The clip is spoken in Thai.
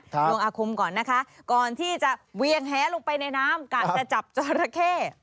ลงอาคมก่อนนะคะก่อนที่จะเวียงแหลงไปในน้ำกะจะจับจราเข้